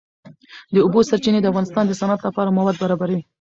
د اوبو سرچینې د افغانستان د صنعت لپاره مواد برابروي.